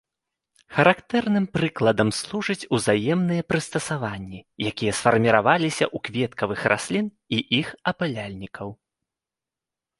Характэрным прыкладам служаць узаемныя прыстасаванні, якія сфарміраваліся ў кветкавых раслін і іх апыляльнікаў.